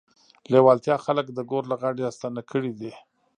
لېوالتیا خلک د ګور له غاړې راستانه کړي دي.